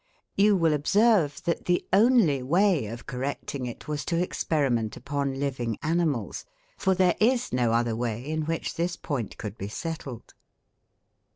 You will observe that the only way of correcting it was to experiment upon living animals, for there is no other way in which this point could be settled.